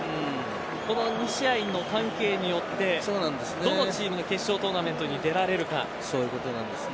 この２試合の関係によってどのチームが決勝トーナメントに出られるか。